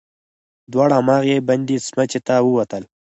دواړه هماغې بندې سمڅې ته ووتل.